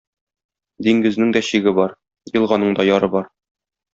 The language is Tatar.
Диңгезнең дә чиге бар, елганың да яры бар.